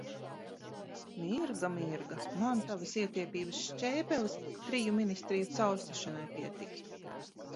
Mirga, Mirga, man tavas ietiepības šķēpeles triju ministriju caursišanai pietiktu!